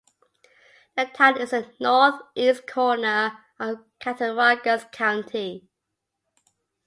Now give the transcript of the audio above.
The town is in the northeast corner of Cattaraugus County.